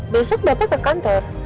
besok bapak ke kantor